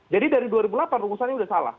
jadi dari dua ribu delapan rumusannya sudah salah